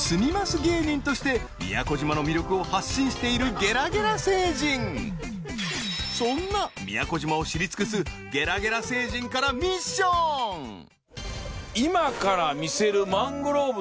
芸人として宮古島の魅力を発信しているゲラゲラ星人そんな宮古島を知り尽くすゲラゲラ星人からミッションうそやん！